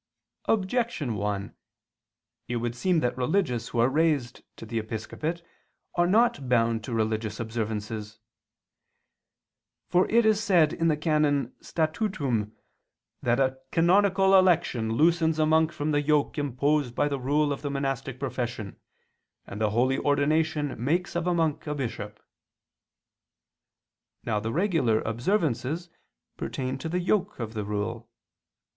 Objection 1: It would seem that religious who are raised to the episcopate are not bound to religious observances. For it is said (XVIII, qu. i, can. Statutum) that a "canonical election loosens a monk from the yoke imposed by the rule of the monastic profession, and the holy ordination makes of a monk a bishop." Now the regular observances pertain to the yoke of the rule.